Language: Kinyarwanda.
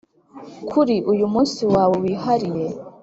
kuri uyu munsi wawe wihariye.